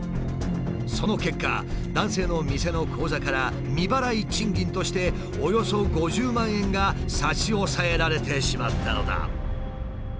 その結果男性の店の口座から未払い賃金としておよそ５０万円が差し押さえられてしまったのだ。